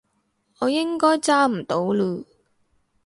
我應該揸唔到嚕